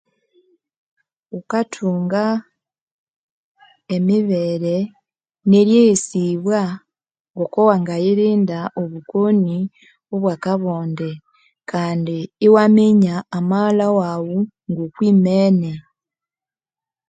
Wukatunga emibere neryeghesibwa nguku wangayirinda obukono obwakabonde Kandi iwaminya amaghalha wawu ngoku imene